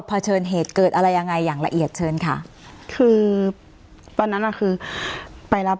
เชิญเหตุเกิดอะไรยังไงอย่างละเอียดเชิญค่ะคือตอนนั้นน่ะคือไปรับ